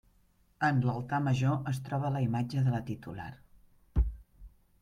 En l'altar major es troba la imatge de la titular.